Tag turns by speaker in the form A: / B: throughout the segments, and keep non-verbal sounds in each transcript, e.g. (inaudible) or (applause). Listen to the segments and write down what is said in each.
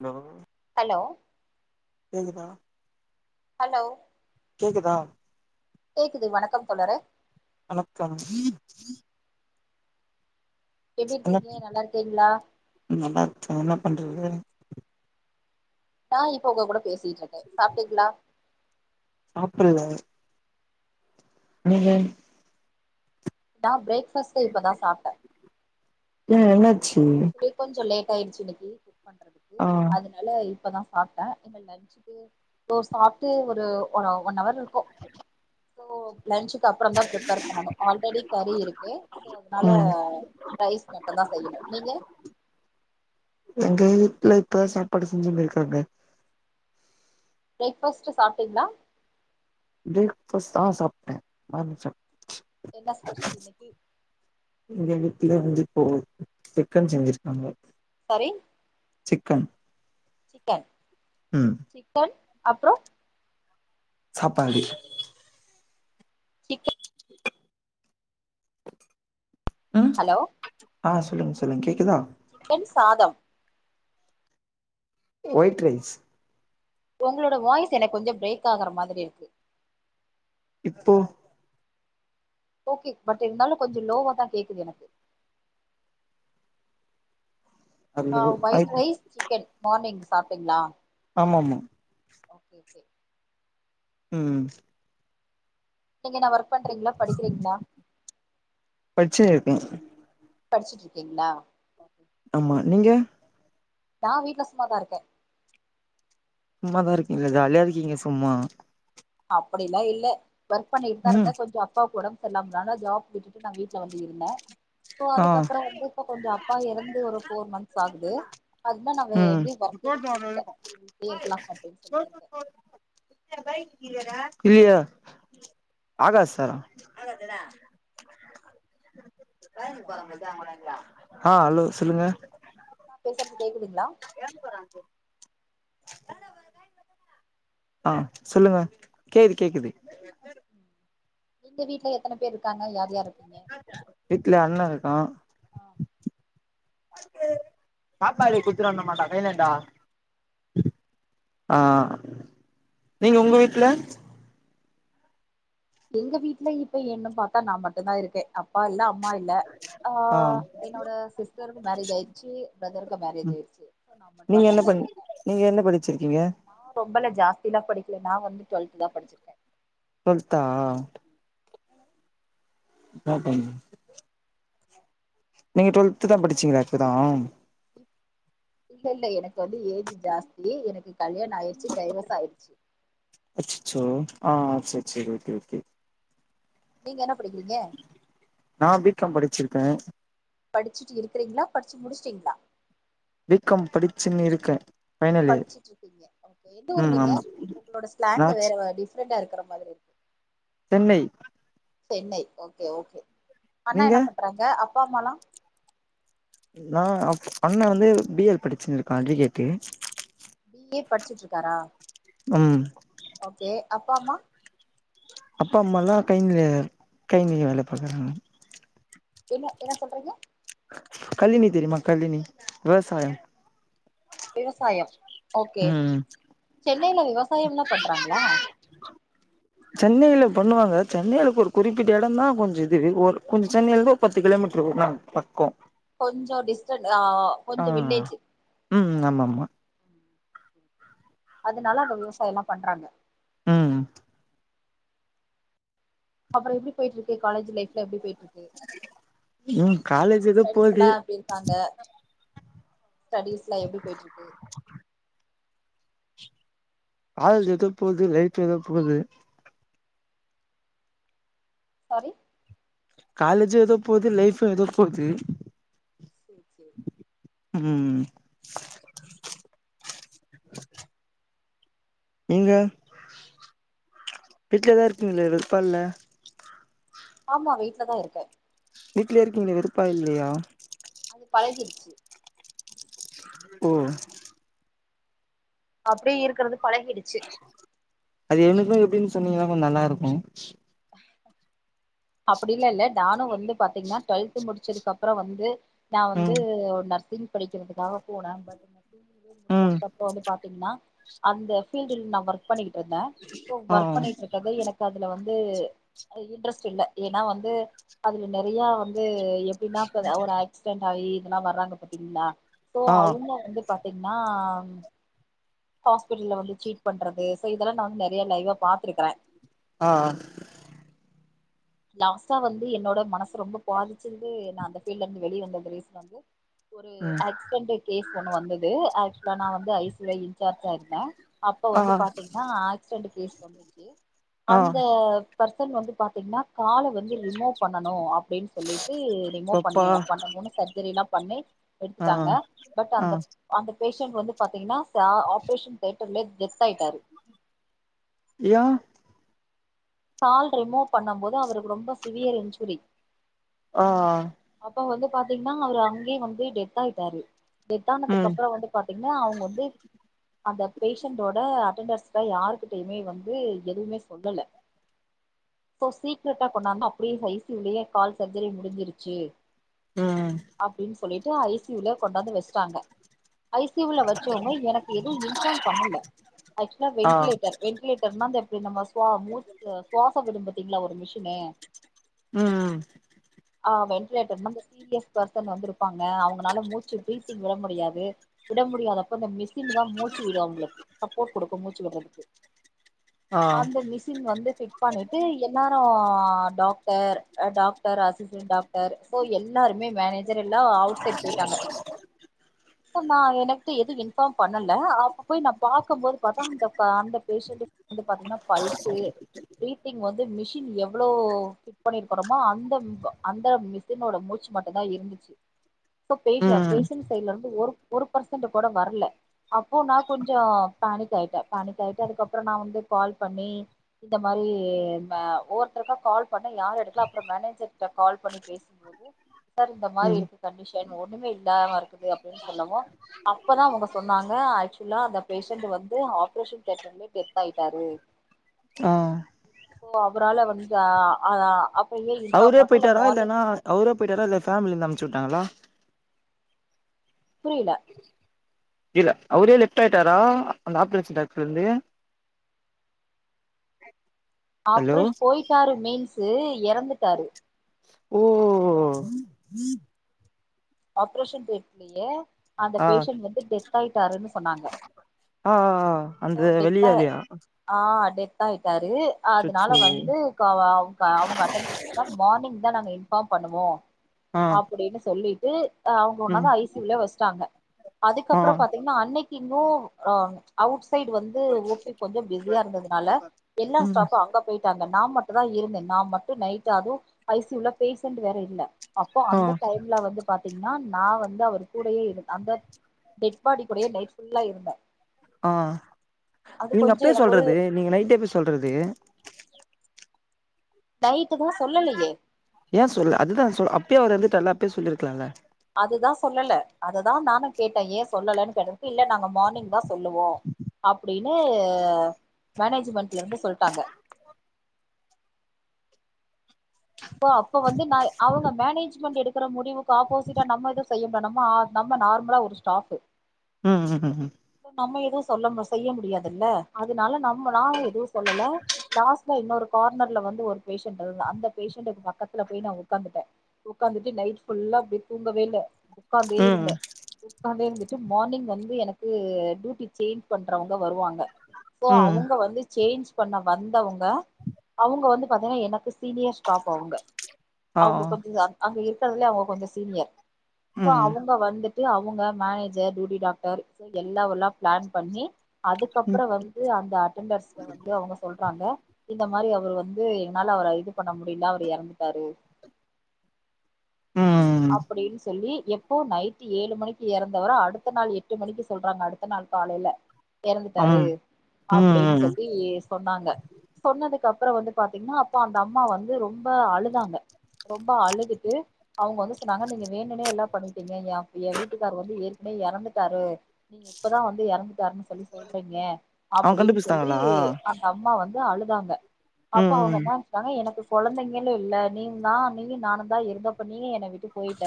A: Hello
B: hello
A: சேரிக்கா
B: hello
A: கேக்குதா
B: கேக்குது வணக்கம் தோழரே
A: வணக்கம்
B: எப்டி
A: என்ன
B: இருக்கீங்க நல்லா இருக்கீங்களா
A: ம் நல்லா இருக்கே என்ன பண் றீங்க
B: நா இப்போ உங்க கூட பேசிட்ருக்கே சாப்ட்டீங்களா
A: சாப்பிடல நீங்க
B: நா பிரேக் ஃபாஸ்ட்டே இப்பதா சாப்ட்டே
A: ஏ என்னாச்
B: ஆச்சு கொஞ்ச லே ட் ஆயிருச்சு இன்னக்கி பண்றதுக்கு
A: ஆ
B: அதனால இப்பதா சாப்ட்டே இனிமே லன்சுக்கு இதோ சாப்ட்டு ஒரு ஆ ஒன் ஹவர் இரு க்கு லன்ச்சுக்கு அப்புறந்தா ப்ரிப்பேர் பண்ணணு ஆல்ரெடி கறி இருக்கு ஸோ அதனால ரைஸ் மட்டுந்தா செய்யணு நீங்க
A: இங்கயி இல்ல இப்பதா சாப்பாடு செஞ்சுனு இருக்காங்க
B: பிரேக்ஃபாஸ்ட் சாப்ட்டீங்களா?
A: பிரேக்ஃபாஸ்ட் ஆ சாப்ட்டே மார்னிங் சாப்
B: என்ன ஸ்பெஷல் இன்னைக்கு
A: இங்க இர்ந்து இல்ல வந்து இப்போ சிக்கன் செஞ்சிருக்காங்க
B: சாரி
A: சிக்கன்
B: சிக்கன்
A: ம்
B: சிக்கன் அப்றோ
A: சாப்பாடு
B: சிக்க
A: ம்
B: ஹலோ
A: ஆ சொல்லுங்க சொல்லுங்க கேக்குதா
B: சிக்கன் சாதம்
A: ஒயிட் ரைஸ்
B: உங்களோட வாய்ஸ் எனக்கு கொஞ்சம் பிரேக் ஆகுற மாரி இருக்கு
A: இப்போ
B: ஓகே பட் இருந்தாலும் கொஞ்ச லோவா தான் கேக்குது எனக்கு
A: ஹலோ
B: ஆஹ ஒயிட் ரைஸ் சிக்கன் மார்னிங் சாப்டிங்களா
A: ஆமாமா
B: ஓகே கே
A: உஹம்
B: எங்கடா அவர் ஒர்க் பண்றீங்களா படிக்கிறீங்களா
A: படிச்சுன்னு இருக்கே
B: படிச்சுட்டு இருக்கீங்களா
A: ஆமா நீங்க
B: நான் வீட்டுல சும்மாதான் இருக்கேன்
A: சும்மாதான் இருக்கீங்களல்ல ஜாலியா இருக்கீங்க சும்மா
B: அப்டிலாம் இல்ல ஒர்க் பண்ணிட்டு தான் இருந்தேன் கொஞ்சோம் அப்பாகு உடம் செரி நம்ம ஜாப் விட்டுட்டு நான் வீட்ட்டு வந்து இருந்தேன் சோ
A: ஆ
B: அதுக்கப்புற வந்து இப்ப கொஞ்ச அப்பா இறந்து ஒரு போர் மந்த்ஸ் ஆகுது அதுனா நான்
A: ம்
B: எங்கயும் ஒர்க் எதுவும் போகலே இருக்கலாம் அப்டின்னு சொல்லி இருக்கே
A: இல்ல ஆகாசா கய
B: ஹலோ
A: பாருங்க ஜாங்கங்களா ஆஹ் ஹலோ சொல்லுங்க
B: நான் பேசுறது கேக்குதுங்களா
A: (inaudible) (unintelligible) ஆஹ் சொல்லுங்க கேக்குது கேக்குது
B: உங்க வீட்டுல எத்தனை பேரு ங்க யார் யார் இருப்பீங்க
A: வீட்ல அண்ணன் இருக்கான்
B: (inaudible)
A: சாப்பாடு குத்து வண்ணு மான்டடா வேலடா ஆஹ் நீங்க உங்க வீட்டுல
B: எங்க வீட்டு்ல இப்ப என்னு பாத்தா நான் மட்டும்தான் இருக்கேன் அப்பா இல்ல அம்மா இல்ல
A: ஆ
B: ஆஹ என்னோட சிஸ்டருக்கு மேரேஜ் ஆயிருச்சு பிரதருக்கு மேரேஜ் ஆயிருச்சு நான் மட்டும்
A: நீங்க
B: தான்
A: என்ன
B: தனியா
A: பண்
B: இருக்கேன்
A: நீங்க என்ன படிச்சிருக்கீங்க
B: நா ரொம்ப லெச் ஜாஸ்திலா படிக்கல நான் வந்து டுவெல்த் தான் படிச்சிருக்கேன்
A: டூவல்த்தா அக்கா பையன் நீங்க டுவெல்த் தான் படிச்சீங்களா இப்பதான்
B: இப் இல்லல்ல எனக் கு வந்து ஏஜ் ஜாஸ்தி எனக்கு கல்யாணம் ஆயிடுச்சு டைவர்ஸ் ஆயடுச்சு
A: அச்சச்சோ ஆ ஆ செரி செரி ஓகே ஓகே
B: நீங்க என்ன படிக்கிறீங்க
A: கேன்
B: படிச்சுட்டு இருக்கறீங்களா படிச்சு முடிச்சட்டீங்களா
A: பி காம் படிச்சுன்னு இருக்கேன்
B: படிச்சுட்டு இருக்கீங்க எந்த ஊர்
A: ம்
B: நீங்க
A: ஆமா
B: உங்களோட
A: நா
B: ஸ்லாங்க் வேற டிஃப்ரெண்டா இருக்குற மாதிரி இருக்கு
A: சென்னை
B: சென்னை ஓகே ஓகே அண்ணா
A: நீங்க
B: என்ன பண்றாங்க அப் பா அம்மாலாம்
A: நான் அண்ணன் வந்து பி எல் படிச்சுன்னு இருக்கான் அட்வகேட்டு
B: பி ஏ படிச்சுட்டு இருக்காரா
A: ம்
B: ஓகே அப்பா அம்மா
A: அப்பா அம்மாலாம் கைனீல கைனீல வேலை பாக்கறாங்க
B: என்ன என்ன சொல்றீங்க
A: கல்லினி தெரியுமா கல்லினி விவசாயம்
B: விவசாயம் ஓகே
A: ம்
B: சென்னையில விவசாயம்ல்லாம் பண்றாங்களா
A: சென்னையில பண்ணுவாங்க சென்னையில ஒரு குறிப்பிட்ட இடம் தான் கொஞ்சம் இது ஒரு கொஞ்சம் சென்னையில இருந்து ஒரு பத்து கிலோமீட்டர் வரும் நாங்க பக்கம்
B: கொஞ்சம் டிஸ்டன் ஆ கொஞ்சம் வில்லேஜு
A: ம் ஆமாமா
B: அதனால அங்க விவசாயம் எல்லாம் பண்றாங்க
A: ம்
B: அப்புறம் எப்படி போயிட்ருக்கு இருக்கு காலஜ் லைஃப்லாம் எப்புடி போயிட் ருக்கு
A: ம் காலேஜ் ஏதோ
B: ஃப்ரெண்ட்ஸ்
A: போது
B: எல்லாம் எப்படி இருக்காங்க ஸ்டடீஸ்லாம் எப்படி போயீட்டு இருக்கு
A: காலேஜ் ஏதோ போது லைப் ஏதோ போது
B: சாரி
A: காலேஜும் ஏதோ போது லைஃபும் ஏதோ போது
B: செரி செரி
A: உம் நீங்க வீட்டு்லதான் இருக்கீங்களா வெறுப்பா இல்ல
B: ஆமா வீட்டுலதான் இருக்கேன்
A: வீட்லயே இருக்கீங்களா வெறுப்பா இல்லையா
B: அது பழகிடுச்சு
A: ஓ
B: அப்படியே இருக்கறிறது பழகிடுச்சு
A: அது எனக்கும் எப்படின்னு சொன்னீங்கன்னா கொஞ்சம் நல்லா இருக்கும்
B: அப்படிலாம் இல்ல நானும் வந்து பாத்தீங்கன்னா டுவெல்த் முடிச்சதுக்கு அப்புறம் வந்து நான் வந்து
A: ம்
B: உன்ன படிக்கிறதுக்காக போனேன்
A: ம்
B: முடிச்சதுக்குப்புறம் வந்து பாத்தீங்கன்னா அந்த ப்ஃபீல்டுல நான் ஒர்க் ஒர்க் பண்ணிட்டு இருந்தேன்
A: ஆ
B: ஒர்க் பண்ணிட்டு இருக்குறது எனக்கு அதுல வந்து இன்ட்ரஸ் இல்ல ஏன்னா வந்து அதுல நிறைய வந்து பின்னா ஒரு ஆக்சிடென்ட் ஆயி அதெல்லாம் வர்றராங்க பாத்தீங்களா சோ
A: ஆ
B: அவுங்க வந்து பாத்தீங்கன்னா உம் ஹாஸ்பிட்டல்ல வந்து ட்ரீட் பண்றது சோ இதெல்லாம் நான் வந்து நிறைய லைவா பாத்துருக்குறேன்
A: ஆஹ்
B: லாஸ்ட்டா வந்து என்னோட மனசு ரொம்ப பாதிச்சிருந்து நான் அந்த பீல்டுல இருந்து வெளிய வந்தது ரீஸ்ஸன் வந்து ஒரு
A: ம்
B: ஆக்சிடென்ட் கேஸ் ஒண்ணு வந்தது நான் வந்து ஐசிஐ இன்சார்ஜா இருந்தேன் அப்போ
A: ஆ
B: வந்து பாத்தீங்கன்னா ஆக்சிடென்ட் கேஸ் வந்துச்சு
A: ஆ
B: அந்த பர்சன் வந்து பாத்தீங்கன்னா கால வந்து ரிமூவ் பண்ணனும் அப்படின்னு சொல்லிட்டு ரிமூவ்
A: பப்பா
B: பண்ண பண்ணணும்னு சர்ஜரி எல்லாம் பண்ணி
A: ஆ
B: எடுத்துட்டாங்க பட்
A: ஆ
B: அந்த அந்த பேஷண்ட் வந்து பாத்தீங்கன்னா ஆப்ரேஷன் தியட்டர்லயே டெத் ஆயிட்டாரு
A: ஏன்
B: கால் ரிமூவ் பண்ணும் போது அவரு க்கு ரொம்ப சிவியர் இன்ஜுரி
A: ஆ
B: அப்ப வந்து பாத்தீங்கன்னா அவரு அங்கேயே வந்து டெத் ஆயிட்டாரு நித்தானத்துக்கு
A: ம்
B: அப்புறோம் வந்து பாத்தீங்கன்னா அவுங்க வந்து அந்த பேஷண்டோட அட்டெண்டர்ஸ்ல யாருகிட்டயுமே வந்து எதுவுமே சொல்லல சோ சீக்ரட்டா கொண்டாந்தா அப்டியே ஐ சி யு லேயே கால் சர்ஜரி முடிஞ்சிருச்சு
A: ம்
B: அப்டின்னு சொல்லிட்டு ஐசியுலயே கொண்டாந்து வச்சுட்டாங்க ஐசியுல வச்சவங்க எனக்கு எதுவும் இன்பார்ம் பண்ணல ஆக்சுவல
A: ஆ
B: வென்லேட்டர் வெண்லேட்டர் நா நம்ம சுவாசி சுவாச விரும்பி ங்களா ஒரு மிஷினு
A: உம் உம்
B: ஆ வெண்டிலேட்டர்னா இந்த சீரியஸ் பெர்சன் வந்து இருப்பாங்க அவங்களனால மூச்சு ப்ரீத்திங் விட முடியாது விட முடியாதப்ப இந்த மிஷின் தான் மூச்சு விடும் அவுங்களுக்கு சப்போர்ட் குடுக்கும் மூச்சு விடுறதுக்கு
A: ஆ
B: அந்த மிசின் வந்து பண்ணிட்டு என்னா அப்புறோம் டாக்டர் டாக்டர் அசிஸ்டன்ட் டாக்டர் எல்லாருமே மேனேஜ் மேனேஜர்ல்லாம் அவுட் சைடு போயிட்டாங்க நான் எனக்கு எதுவும் இன்பார்ம் பண்ணல அப்ப போய் நான் பாக்க போது பாத்தா அந்த அந்த பேஷண்ட்க்கு வந்து பாத்தீங்கன்னா பல்ஸு பிரீத்திங் வந்து மிஷின் எவ்வளோ ஃபிட் பண்ணிருக்கறோமோ அந்த அந்த மிஷினோட மூச்சு மட்டும் தான் இருந்துச்சு
A: ம்
B: பேர்சன்ட் சைட்ல இருந்து ஒரு ஒரு பர்சன்ட் கூட வரல அப்போ நான் கொஞ்சோம் பேனிக் ஆயிட்டேன் பேனிக் ஆயிட்டேன் அதுக்கப்புறம் நான் வந்து கால் பண்ணி இந்த மாரி ஒவ்வொருத்தருக்கா கால் பண்ணி யாரும் எடுக்கல அப்புறோம் மேனேஜர் கிட்ட கால் பண்ணி பேசும்போது சார் இந்த மாரி
A: ம்
B: இருக்கு கண்டிஷன் ஒண்ணுமே இல்லாம இருக்குது அப்டின்னு சொல்லவும் அப்பதான் அவுங்க சொன்னாங்க ஆக்சுவலா அந்த பேஷண்ட் வந்து ஆப்ரேஷன் தேட்டர்லயே டெத் ஆயிட்டாரு
A: ஆ
B: சோ அவரால வந்து அ
A: அவரே போயிட்டாரா இல்லன்னா அவரே போயிட்டாரா இல்ல ஃபேமில இருந்து அனுப்ச்சு வுட்டாங்களா
B: புரியல
A: இல்ல அவரே லெஃப்ட் ஆயிட்டாரா ஆபரேன்ஷன் தேட்டர்லருந்து
B: ஆப்ரேஷ் போயிட்டாரு மீன்ஸ் இது இறந்துட்டாரு
A: ஓஓஓ
B: ஆப்ரேஷன் தேட்டர்லயே அந்த
A: ஆ
B: பேஷன்ட் வந்து டெத் ஆயிட்டாருன்னு சொன்னாங்க
A: ஆ
B: சோ
A: அந்த
B: டெத்தா
A: வெள்ளியாலியா
B: ஆ டெத் ஆயிட்டாரு வந்து அதனால வந்துஅவ அவுங்க மார்னிங் தான் நா இன்ஃபார்ம் பண்ணுவோ
A: ஆ
B: அப்பிடின்னு சொல்லி ம் ஆ அவங்க
A: ம்
B: உன்னொன்னு ஐ சி யு ல வச்சிட்டாங்க
A: ஆ
B: அதுக்கப்புறோ பாத்தீங்கன்னா அன்னக் கி இன்னு ஆ அவுட் சைடு வந்து ஓ பி கொஞ்சோ பிஸியா இருந்ததுனால எல்லா
A: ம்
B: ஸ்டாஃபு அங்க போயிட்டாங்க நா மட்டுந்தா இருந்தே நா மட்டும் நைட்டு அதுவு ஐ சி யூ ல பேஷண்ட் வேற இல்ல அப்போ
A: ஆ
B: அந்த டைம்ல வந்து பா த்தீங்கன்னா நா வந்து அவரு கூடயே இரு அந்த டெட்பாடி கூடயே நைட் ஃபுல்லா இருந்தே
A: ஆ
B: அது
A: நீங்க
B: கொஞ்சோ
A: அப்பயே
B: எனக்கு ஒரு
A: சொல்றது நீங்க நைட்டே போய் சொல்றது
B: நைட்டு எதுவு சொல்லலையே
A: யேன் சொல்லல அதுதா சொல் அப்பயே அவர் எறந்துட்டார்ல அப்பயே சொல்லிருக்கலால்ல
B: அதுதா சொல்லல அதுதா நானு கேட்டே ஏன் சொல்லலேன்னு கேட்டதுக்கு இல்ல நாங்க மார்னிங்தா சொல்லுவோ அ ப்டினு மேனேஜ்மென்ட்ல இருந்து சொல்ட்டாங்க சோ அப்ப வந்து நா அவங்க மேனேஜ்மெண்ட் எடுக்கற முடிவுக்கு ஆப்போசிட்டா நம்ம எது செய்ய முடியாது நம்ம ஆ நம்ம நார்மலா ஒரு ஸ்டாஃபு
A: ம் ம் ம் ம்
B: நம்ம எதுவு சொல்ல முடி செய்ய முடியாதுல்ல அதனால நம்ம நா எதுவு சொல்லல லாஸ்ட்ல இன்னொரு கார்னர்ல வந்து ஒரு பேஷண்ட்டு அது அந்த பேஷண்டுக்கு பக்கத்துல போய் நா உக்காந்துட்டே உக்காந்துட்டு நைட் ஃபுல்லா அப்டி தூங்கவே இல்ல உக்காந்தே
A: ம் ம்
B: இருந்தே உக்காந்தே இருந்துட் டு மார்னிங் வந்து எனக் கு டியூட்டி சேஞ்ச் பண்றவங்க வருவாங்க சோ
A: ம்
B: அவுங்க வந்து சேஞ்ச் பண்ண வந்தவங்க அவங்க வந்து பாத்தீங்கன்னா எனக்கு சீனியர் ஸ்டாஃப் அவங்க
A: ஆ ஆ
B: அவங்க கொஞ்ச இது அ அங்க இரு க்கறதுலயே அவங்க கொஞ்ச சீனியர் சோ
A: ம்
B: அவங்க வந்து ட்டு அவுங்க மேனேஜர் டியூட்டி டாக்டர் சோ எல்லாவல்லா பிளான் பண்ணி
A: ம்
B: அதுக்கப்புறோ வந்து அந்த அட்டண்டர்ஸ்கிட்ட வந்து அவங்க சொல்றாங்க இந்த மாரி அவரு வந்து எங்கனால அவர இது பண்ண முடியல அவரு எறந்துட்டாரு
A: ம்
B: அப்படின் சொல்லி எப்போ நைட்டு் ஏழு மணிக்கி எறந்தவர அடுத்த நாள் எட்டு மணிக்கி சொல்றாங்க அடுத்த நாள் காலைல
A: அம்
B: எறந்துட்டாரு
A: ம்
B: அப்டின்னு
A: ம்
B: சொல்லி சொன்னாங்க சொன்னதுக்கு அப்புறம் வந்து பாத்தீங்கன்னா அப்ப அந்த அம்மா வந்து ரொம்ப அழுதாங்க ரொம்ப அழுதுட்டு அவங்க வந்து சொன்னாங்க நீங்க வேணுனே எல்லாம் பண்ணிட்டீங்க என் என் வீட்டுக்கார் வந்து ஏற்கனவே இறந்துட்டாரு நீங்க இப்பதான் வந்து இறந்துட்டாருன்னு சொல்லி சொல்றீங்க
A: அவங்க
B: அப்படின்னு சொல்லி
A: கண்டுபிடிச்சிட்டாங்களா
B: அந்த அம்மா வந்து அழுதாங்க அப்போ
A: ம்
B: அவங்க
A: ம்
B: என்ன நினைச்சாங்க எனக்கு கொழந்தைங்களும் இல்ல நீ தான் நீநானும் தான் இருந்தோம் நீங்க எனக்கு விட்டு போயிட்ட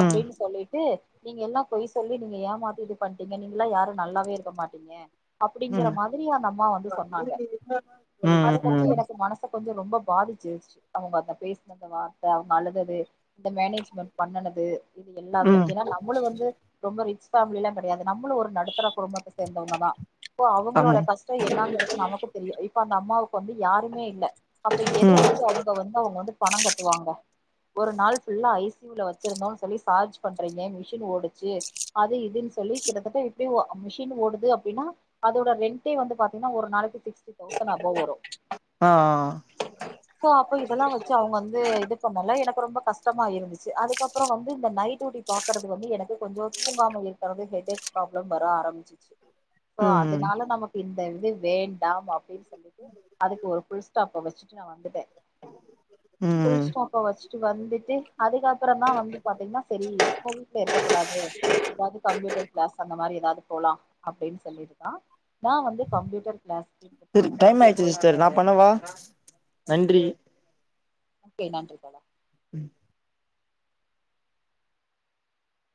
A: ம்
B: சொல்லிட்டு நீங்க எல்லாம் பொய் சொல்லி நீங்க ஏமாத்தி இது பண்ணிட்டீங்க நீங்க எல்லாம் யாரும் நல்லாவே இருக்க மாட்டீங்க அப்படிங்கற
A: ம்
B: மாதிரி அந்த அம்மா வந்து சொன்னாங்க அதை
A: ம்
B: கொஞ்சம்
A: ம்
B: எனக்கு மனச கொஞ்சம் ரொம்ப பாதிச்சுருச்சு அவங்க அத பேசின வார்த்தை அவங்க அழுதது இது இந்த மேனேஜ்மென்ட் பண்ணுனது இது எல்லாமே
A: ம்
B: ஏன்னா நம்மளும் வந்து ரொம்ப ரிச் பேமிலிலாம் கெடயாது நம்மளும் ஒரு நடுத்தர குடும்பத்தை சேர்ந்தவங்கதான் இப்போ அவங்களோட
A: ஆமா
B: கஷ்டம் என்னாங்கற நமக்கு தெரியும் இப்ப அந்த அம்மாவுக்கு வந்து யாருமே இல்ல அப்ப எதை
A: ம்
B: வச்சு அவங்க வந்து அவங்க வந்து பணம் கட்டுவாங்க ஒரு நாள் ஃபுல்லா ஐசியுல வச்சிருந்தோம் சொல்லி சார்ஜ் பண்றீங்க மிஷின் ஓடிச்சு அது இதுன்னு சொல்லி கிட்டத்தட்ட எப்படி மிஷின் ஓடுது அப்படின்னா அதோட ரெண்டடே வந்து பா்த்தீங்கன்னா ஒரு நாளைக்கு சிக்ஸ்டி தௌசன் அபவ் வரும்
A: ஆ ஆ
B: அப்ப இதெல்லாம் வச்சு அவங்க வந்து இது பண்ணல எனக்கு ரொம்ப கஷ்டமா இருந்துச்சு அதுக்கப்புறம் வந்து இந்த நைட் டியூட்டி பாக்குறது வந்து எனக்கு கொஞ்சம் தூங்காம இருக்குறது கெட்டே ஃப்ராளம் வர ஆரம்பிச்சிருச்சு
A: ம் ம்
B: அதனால நமக்கு இந்த இது வேண்டாம் அப்படினு சொல்லிட்டுஅதுக்கு ஃபுல் ஸ்டாப் வச்சிட்டு வந்துட்டேன்
A: ம்
B: வந்துட்டு அதுக்கப்புறம் தான் வந்து பாத்தீங்கன்னா சரி ஸ்கோப் வீட்டுல இருக்க கூடாது ஏதாவது கம்ப்யூட்டர் கிளாஸ் அந்த மாதிரி ஏதாது போலாம் அப்படின்னு சொல்லிட்டு தான் நான் வந்து கம்ப்யூட்டர் கிளாஸ்
A: சரி டைம் ஆயிச்சு சிஸ்டர் நான் பண்ணவா தேங்க் யூ
B: ஓகே நன்றி தோழா